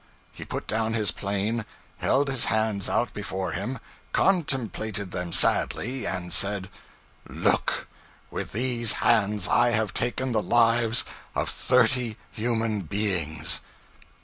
He put down his plane, held his hands out before him, contemplated them sadly, and said 'Look with these hands I have taken the lives of thirty human beings!'